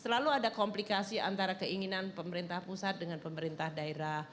selalu ada komplikasi antara keinginan pemerintah pusat dengan pemerintah daerah